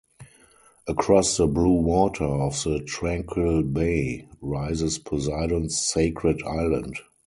Across the blue water of the tranquil bay rises Poseidon's sacred island.